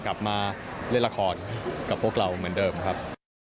กลับมาเล่นละครกับพวกเราเหมือนเดิมครับ